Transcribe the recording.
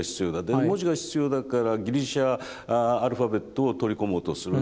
で文字が必要だからギリシャアルファベットを取り込もうとする。